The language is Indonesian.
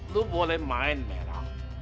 lu boleh main melan